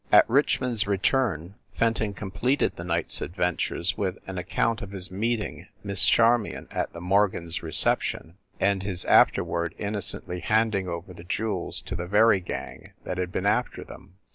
At Richmond s return Fenton completed the night s adventures with an account of his meeting Miss Charmion at the Morgans reception, and his afterward innocently handing over the jewels to the very gang that had been after them.